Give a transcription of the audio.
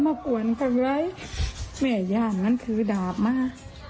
มาปวนของไรแม่ยามมันคือดาบมา